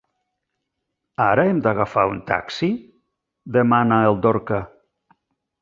Ara hem d'agafar un taxi? —demana el Dorca